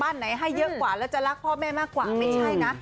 ไหนให้เยอะกว่าแล้วจะรักพ่อแม่มากกว่าไม่ใช่นะ